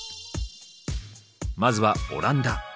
まずはオランダ。